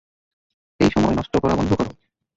এই সময় নষ্ট করা বন্ধ কর!